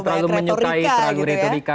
terlalu menyukai retorika